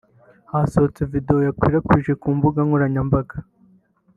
Hasohotse video yakwirakwiye ku mbuga nkoranyambaga